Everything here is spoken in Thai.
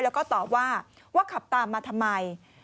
แล้วก็ตอบว่าว่าขับตามมาทำไม